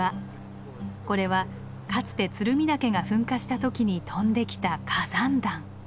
これはかつて鶴見岳が噴火した時に飛んできた火山弾。